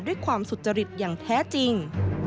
ด้วยความสุจริตอย่างแท้จริง